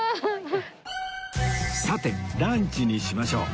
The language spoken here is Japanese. さてランチにしましょう